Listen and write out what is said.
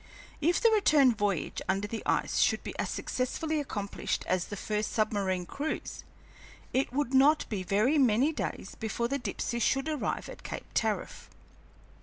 If the return voyage under the ice should be as successfully accomplished as the first submarine cruise, it would not be very many days before the Dipsey should arrive at Cape Tariff.